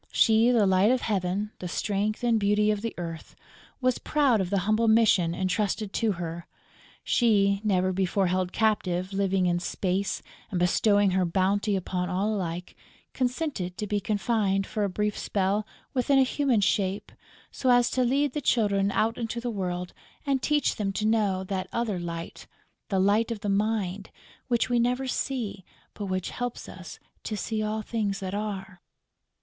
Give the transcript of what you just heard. She, the Light of Heaven, the strength and beauty of the Earth, was proud of the humble mission entrusted to her; she, never before held captive, living in space and bestowing her bounty upon all alike, consented to be confined, for a brief spell, within a human shape, so as to lead the Children out into the world and teach them to know that other Light, the Light of the Mind, which we never see, but which helps us to see all things that are.